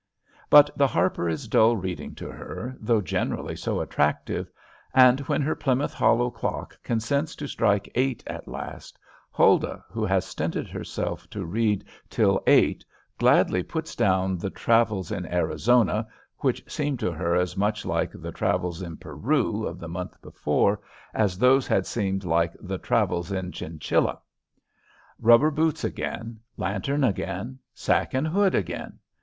But the Harper is dull reading to her, though generally so attractive. And when her Plymouth Hollow clock consents to strike eight at last, Huldah, who has stinted herself to read till eight, gladly puts down the "Travels in Arizona," which seem to her as much like the "Travels in Peru," of the month before, as those had seemed like the "Travels in Chinchilla." Rubber boots again, lantern again, sack and hood again.